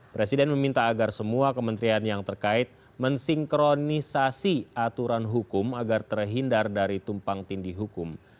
presiden meminta agar semua kementerian yang terkait mensinkronisasi aturan hukum agar terhindar dari tumpang tindih hukum